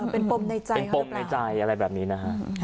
เป็นปมในใจอะไรแบบนี้นะครับ